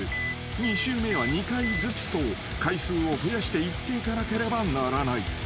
［２周目は２回ずつと回数を増やして言っていかなければならない］